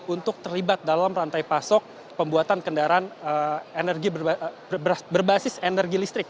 untuk terlibat dalam rantai pasok pembuatan kendaraan berbasis energi listrik